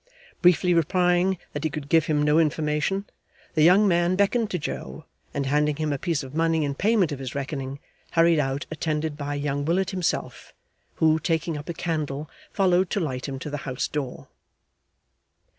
Briefly replying that he could give him no information, the young man beckoned to Joe, and handing him a piece of money in payment of his reckoning, hurried out attended by young Willet himself, who taking up a candle followed to light him to the house door.